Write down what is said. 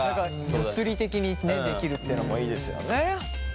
物理的にできるってのもいいですよね。